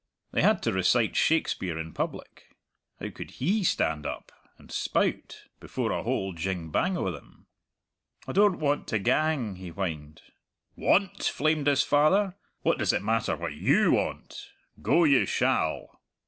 They had to recite Shakespeare in public; how could he stand up and spout, before a whole jing bang o' them? "I don't want to gang," he whined. "Want?" flamed his father. "What does it matter what you want? Go you shall."